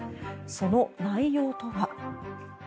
その内容とは。